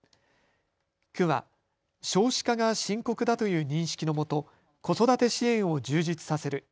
区は少子化が深刻だという認識のもと子育て支援を充実させる。